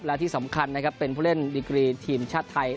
และที่สำคัญนะครับเป็นผู้เล่นดิกรีทีมชาติไทย